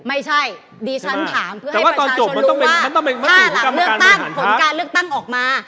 ไม่ใช่ดิฉันถามเพื่อให้ประชาชนรู้ว่าถ้าหลังเลือกตั้งผลการเลือกตั้งออกมา